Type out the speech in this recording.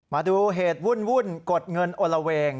มาดูเหตุวุ่นกดเงินโอละเวง